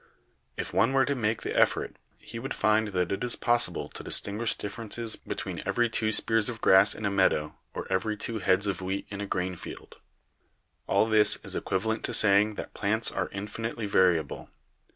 If one were to make the effort, he would find that it is possible to distinguish differences between every two spears of grass in a meadow or every two heads of wheat in a grain field. "All this is equivalent to saying that plants are infi nitely variable.